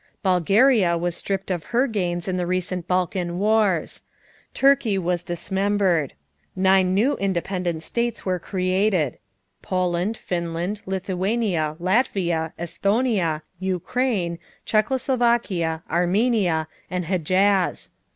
Bulgaria was stripped of her gains in the recent Balkan wars. Turkey was dismembered. Nine new independent states were created: Poland, Finland, Lithuania, Latvia, Esthonia, Ukraine, Czechoslovakia, Armenia, and Hedjaz.